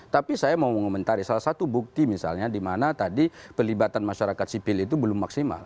tapi saya mau mengomentari salah satu bukti misalnya di mana tadi pelibatan masyarakat sipil itu belum maksimal